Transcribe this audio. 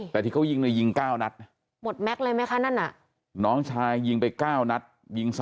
แต่ที่เขายิงมันน่ายิง๙นัตฑ์